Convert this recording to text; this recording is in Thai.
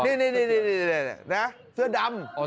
นี่นะเสื้อดำ